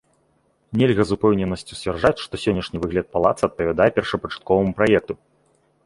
Нельга з упэўненасцю сцвярджаць, што сённяшні выгляд палаца адпавядае першапачатковаму праекту.